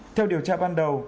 theo điều tra ban đầu